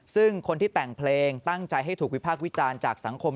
ซึ่งคนที่แต่งเพลงตั้งใจให้ถูกวิพากษ์วิจารณ์จากสังคม